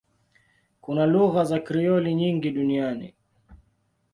Kuna lugha za Krioli nyingi duniani.